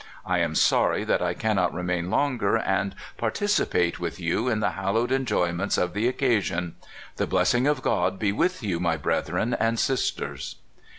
I am sorry that I cannot remain longer, and participate with you in the hallowed enjoy ments of the occasion. The blessing of God be with you, my brethren and sisters."